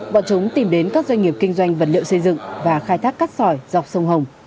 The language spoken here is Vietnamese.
bọn chúng tìm đến các doanh nghiệp kinh doanh vật liệu xây dựng và khai thác cát sỏi dọc sông hồng